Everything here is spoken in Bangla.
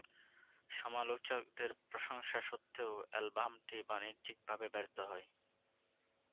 সমালোচকদের প্রশংসা সত্ত্বেও অ্যালবামটি বাণিজ্যিকভাবে ব্যর্থ হয়।